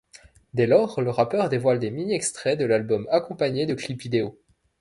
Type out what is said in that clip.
Dès lors, le rappeur dévoile des mini-extraits de l'album accompagnés de clip vidéo.